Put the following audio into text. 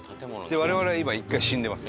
我々は今１回死んでます。